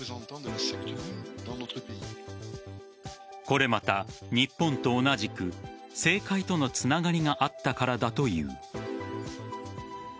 これまた日本と同じく政界とのつながりがあったからだという。